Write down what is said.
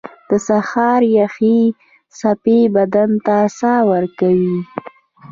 • د سهار یخې څپې بدن ته ساه ورکوي.